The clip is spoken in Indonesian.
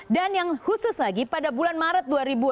dan yang khusus lagi pada bulan maret dua ribu lima belas